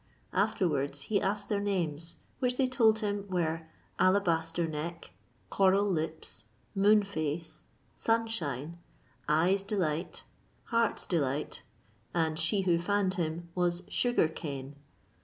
Afterwards he asked their names, which they told him were Alabaster Neck, Coral Lips, Moon Face, Sunshine, Eye's Delight, Heart's Delight, and she who fanned him was Sugar Cane.